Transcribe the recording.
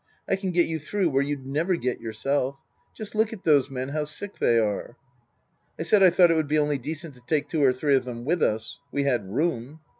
I can get you through where you'd never get yourself. Just look at those men how sick they are." I said I thought it would be only decent to take two or three of them with us. We had room.